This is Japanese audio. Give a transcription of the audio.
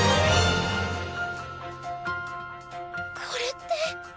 これって。